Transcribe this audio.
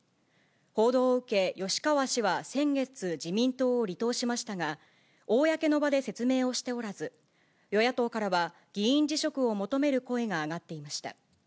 報道を受け、吉川氏は先月、自民党を離党しましたが、公の場で説明をしておらず、与野党からは議員辞職を求める声が上がっていました。